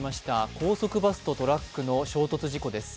高速バスとトラックの衝突事故です。